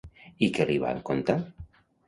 I què li van contar?